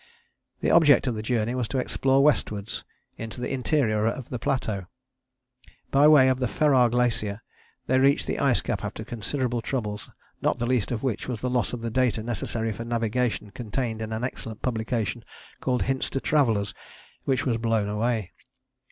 The object of the journey was to explore westwards into the interior of the plateau. By way of the Ferrar Glacier they reached the ice cap after considerable troubles, not the least of which was the loss of the data necessary for navigation contained in an excellent publication called Hints to Travellers, which was blown away.